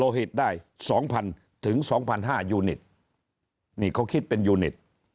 โลหิตได้๒๐๐๐ถึง๒๕๐๐ยูนิตนี่เขาคิดเป็นยูนิต